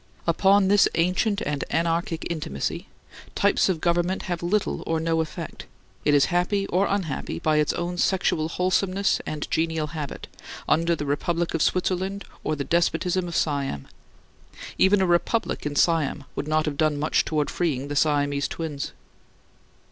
Upon this ancient and anarchic intimacy, types of government have little or no effect; it is happy or unhappy, by its own sexual wholesomeness and genial habit, under the republic of Switzerland or the despotism of Siam. Even a republic in Siam would not have done much towards freeing the Siamese Twins.